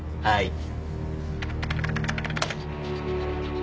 はい。